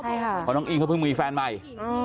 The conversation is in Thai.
ใช่ค่ะเพราะน้องอิ้งเขาเพิ่งมีแฟนใหม่